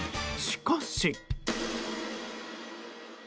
しかし。